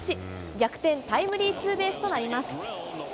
逆転タイムリーツーベースとなります。